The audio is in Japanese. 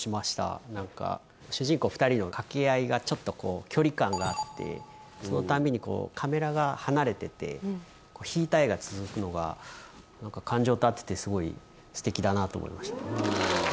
主人公２人の掛け合いがちょっとこう距離感があってそのたびにこうカメラが離れてて引いた画が続くのが感情と合っててすごいすてきだなと思いました。